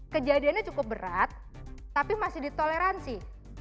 kejadiannya cukup berat tapi masih ditoleransi